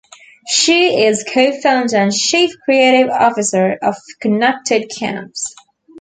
She is co-founder and Chief Creative Officer of Connected Camps.